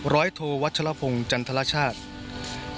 ร้อยโทวัชฌาภงจันทรชาชน์